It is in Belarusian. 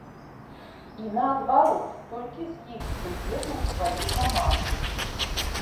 І наадварот, толькі з імі прыеду ў сваю каманду.